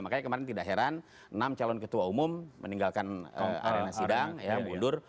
makanya kemarin tidak heran enam calon ketua umum meninggalkan arena sidang ya mundur